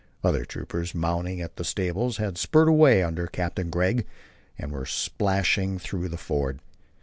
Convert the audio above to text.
Other troopers, mounting at the stables, had spurred away under Captain Gregg, and were splashing through the ford.